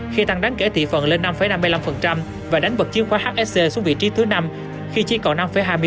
khi tăng đáng kể thị phần lên năm năm mươi năm và đánh bật chứng khoán hsc xuống vị trí thứ năm khi chỉ còn năm hai mươi tám